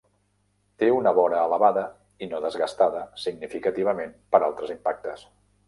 Té una vora elevada i no desgastada significativament per altres impactes.